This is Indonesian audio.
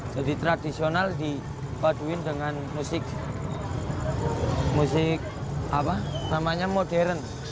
jadi tradisional dipaduin dengan musik modern